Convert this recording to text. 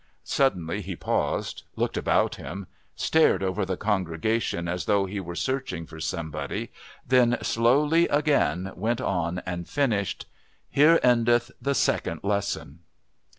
Suddenly he paused, looked about him, stared over the congregation as though he were searching for somebody, then slowly again went on and finished: "Here endeth the Second Lesson."